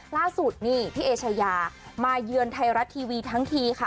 ล่าสุดนี่พี่เอชายามาเยือนไทยรัฐทีวีทั้งทีค่ะ